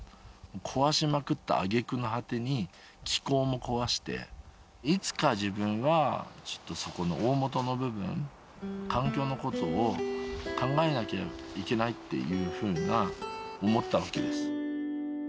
壊しまくったあげくの果てに、気候も壊して、いつか自分は、ちょっとそこのおおもとの部分、環境のことを考えなきゃいけないっていうふうな、思ったわけです。